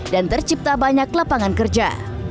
dan tercipta banyak lapangan kerja